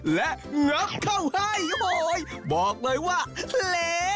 และเงิบเข้าให้โหยบอกเลยว่าเหละ